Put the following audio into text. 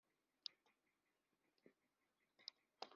Iri rushanwa ryatangiye ku itarikiya Gashyantare,